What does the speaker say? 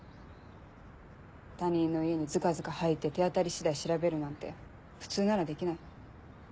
他人の家にずかずか入って手当たり次第調べるなんて普通ならできない。